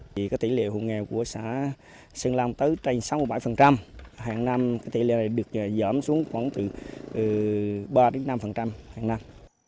vì cái tỷ lệ hồ nghèo của xã sơn long tới sáu mươi bảy hàng năm cái tỷ lệ này được giảm xuống khoảng từ ba năm hàng năm